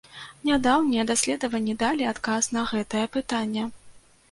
Нядаўнія даследаванні далі адказ на гэтае пытанне.